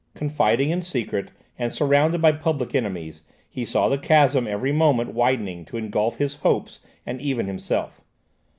Confiding in secret, and surrounded by public enemies, he saw the chasm every moment widening to engulf his hopes and even himself.